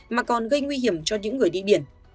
mà còn gây nguy hiểm cho những người đi biển